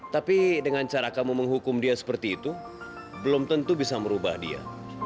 tapi dengan cara kamu menghukum dia seperti itu belum tentu bisa merubah dia